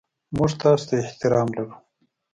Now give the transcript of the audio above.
موږ تاسو ته احترام لرو.